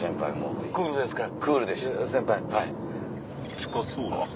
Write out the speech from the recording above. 近そうです。